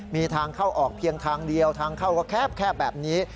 มีทางเข้าออกเพียงทางเดียวทางเข้าก็แคบแบบนี้